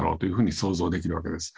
想像できるわけです。